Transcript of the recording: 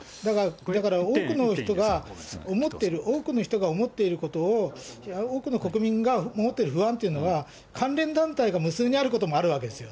だから、多くの人が思ってる、多くの人が思っていることを、多くの国民が持ってる不安っていうのは、関連団体が無数にあることもあるんですよ。